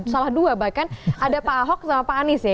salah dua bahkan ada pak ahok sama pak anies ya